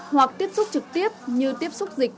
hoặc tiếp xúc trực tiếp như tiếp xúc dịch